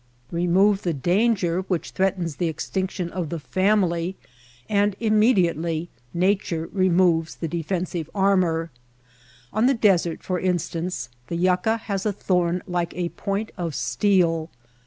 Eemove the danger which threatens the extinction of the family and immediately Nat ure removes the defensive armor. On the desert, for instance, the yucca has a thorn like a point of steel.